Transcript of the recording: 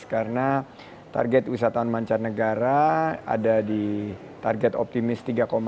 karena target wisata mancanegara ada di target optimis tiga enam